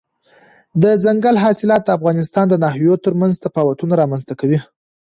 دځنګل حاصلات د افغانستان د ناحیو ترمنځ تفاوتونه رامنځته کوي.